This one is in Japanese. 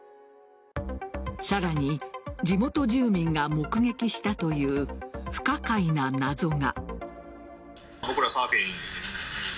さらに地元住民が目撃したという不可解な謎が。